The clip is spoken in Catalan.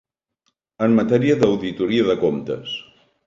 En matèria d'auditoria de comptes.